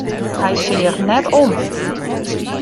Hy seach net om.